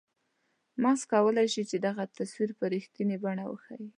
مغز کولای شي چې دغه تصویر په رښتنیې بڼه وښیي.